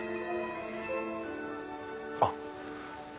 あっ！